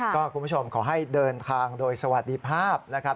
คุณผู้ชมขอให้เดินทางโดยสวัสดีภาพนะครับ